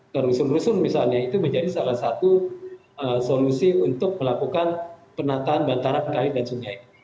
ke rusun rusun misalnya itu menjadi salah satu solusi untuk melakukan penataan bantaran kali dan sungai